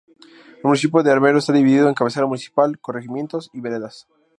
El municipio de Armero está dividido en cabecera municipal, corregimientos y veredas.